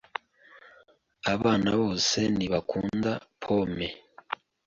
Abana bose ntibakunda pome.